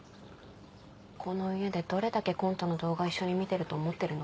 この家でどれだけコントの動画一緒に見てると思ってるの？